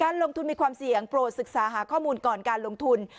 ลงทุนมีความเสี่ยงโปรดศึกษาหาข้อมูลก่อนการลงทุน